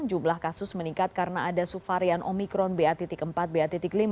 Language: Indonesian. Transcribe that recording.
jumlah kasus meningkat karena ada subvarian omikron ba empat ba lima